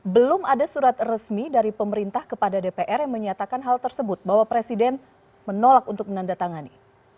belum ada surat resmi dari pemerintah kepada dpr yang menyatakan hal tersebut bahwa presiden menolak untuk menandatangani